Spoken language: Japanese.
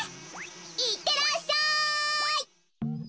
いってらっしゃい！